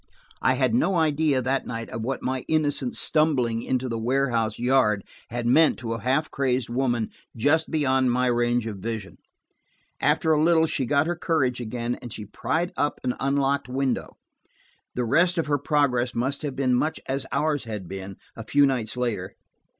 I had no idea, that night, of what my innocent stumbling into the warehouse yard had meant to a half crazed woman just beyond my range of vision. After a little she got her courage again, and she pried up an unlocked window. The rest of her progress must have been much as ours had been, a few nights later.